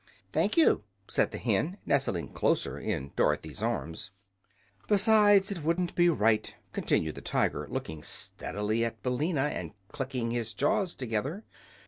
"Thank you," said the hen, nestling closer in Dorothy's arms. "Besides, it wouldn't be right," continued the Tiger, looking steadily at Billina and clicking his jaws together.